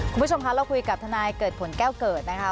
คุณผู้ชมคะเราคุยกับทนายเกิดผลแก้วเกิดนะคะ